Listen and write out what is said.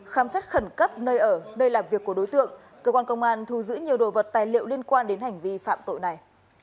khám xét khẩn cấp nơi ở nơi làm việc của đối tượng cơ quan công an thu giữ nhiều đồ vật tài liệu liên quan đến hành vi phạm tội này